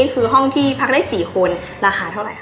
คือห้องที่พักได้๔คนราคาเท่าไหร่